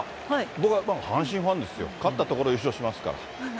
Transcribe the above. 僕は阪神ファンですよ、勝ったところ、優勝しますから。